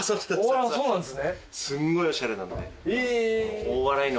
そうなんですね。